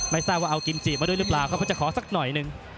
ทราบว่าเอากิมจิมาด้วยหรือเปล่าเขาก็จะขอสักหน่อยหนึ่ง